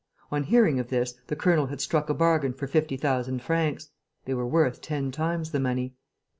On hearing of this, the colonel had struck a bargain for fifty thousand francs. They were worth ten times the money.